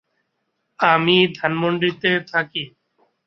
তিনি জ্যোতির্বিজ্ঞানের উপর বিভিন্ন লেখা লিখেছেন।